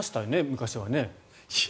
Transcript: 昔はね。